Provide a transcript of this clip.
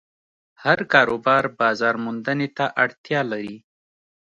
هر کاروبار بازارموندنې ته اړتیا لري.